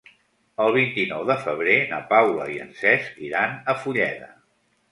El vint-i-nou de febrer na Paula i en Cesc iran a Fulleda.